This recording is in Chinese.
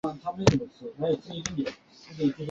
剑桥大学菲茨威廉学院是剑桥大学下属的一个学院。